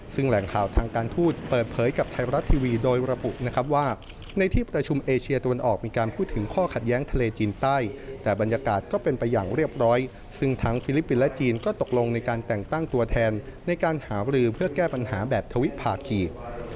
ซึ่งทั้งฟิลิปปินทร์และจีนก็ตกลงในการแต่งตั้งตัวแทนในการหาวลือเพื่อแก้ปัญหาแบบทวิภาคจีน